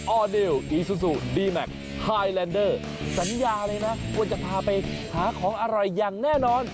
ออเดลอีซูซูดีแมคไฮแลนเดอร์สัญญาเลยนะควรจะพาไปหาของอร่อยอย่างแน่นอน